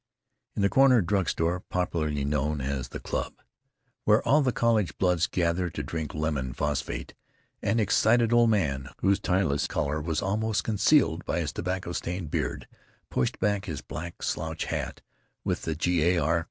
In the corner drug store, popularly known as "The Club," where all the college bloods gather to drink lemon phosphate, an excited old man, whose tieless collar was almost concealed by his tobacco stained beard, pushed back his black slouch hat with the G. A. R.